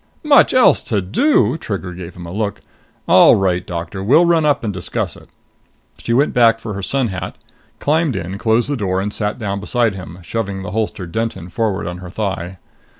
"Much else to do!" Trigger gave him a look. "All right, Doctor. We'll run up and discuss it." She went back for her sun hat, climbed in, closed the door and sat down beside him, shoving the holstered Denton forward on her thigh.